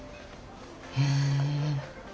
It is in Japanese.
へえ。